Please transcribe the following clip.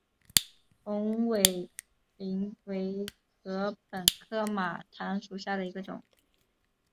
红尾翎为禾本科马唐属下的一个种。